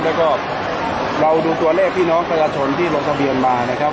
แล้วก็เราดูตัวเลขพี่น้องประชาชนที่ลงทะเบียนมานะครับ